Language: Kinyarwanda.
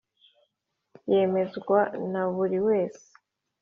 yemezwa naburiwese.